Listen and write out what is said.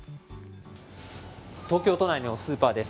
東京都内のスーパーです。